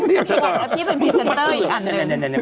พี่เป็นพรีเซนเตอร์อีกอันหนึ่ง